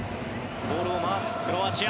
ボールを回すクロアチア。